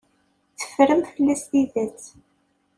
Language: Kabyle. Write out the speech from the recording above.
Teffrem fell-as tidet.